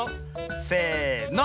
せの。